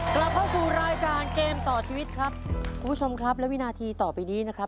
กลับเข้าสู่รายการเกมต่อชีวิตครับคุณผู้ชมครับและวินาทีต่อไปนี้นะครับ